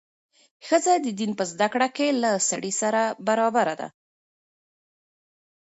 ښځه د دین په زده کړه کې له سړي سره برابره ده.